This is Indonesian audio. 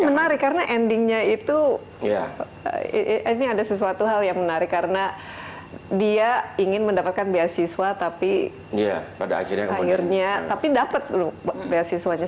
ini menarik karena endingnya itu ini ada sesuatu hal yang menarik karena dia ingin mendapatkan beasiswa tapi akhirnya tapi dapat beasiswanya